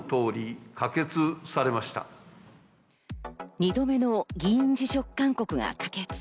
２度目の議員辞職勧告が可決。